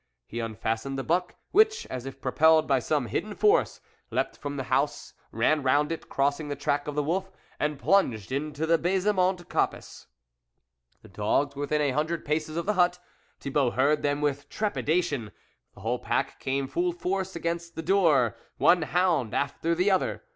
He unfastened the buck, whicb, as if propelled by some hidden force, leapt from the house, ran round it, crossing the track of the wolf, and plunged into the Baisemont coppice. The dogs were within a hundred paces of the hut ; Thi bault heard them with trepidation ; the whole pack came full force against the door, one hound after the other.